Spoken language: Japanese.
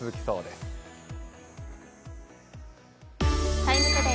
「ＴＩＭＥ，ＴＯＤＡＹ」